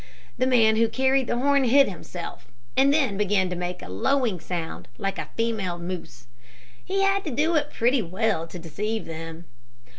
The man who carried the horn hid himself, and then began to make a lowing sound like a female moose. He had to do it pretty well to deceive them.